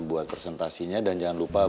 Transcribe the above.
buat presentasinya dan jangan lupa